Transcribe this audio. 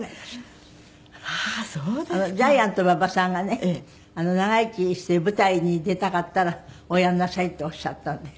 ジャイアント馬場さんがね長生きして舞台に出たかったらおやりなさいっておっしゃったんで。